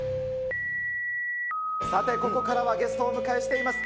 さて、ここからはゲストをお迎えしています。